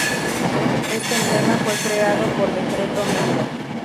Este emblema fue creado por Decreto No.